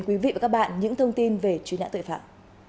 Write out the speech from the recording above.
quý vị và các bạn những thông tin về truy nã tội phạm